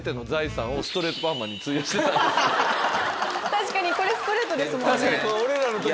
確かにこれストレートですもんね。